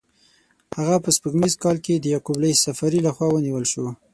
هغه په سپوږمیز کال کې د یعقوب لیث صفاري له خوا ونیول شو.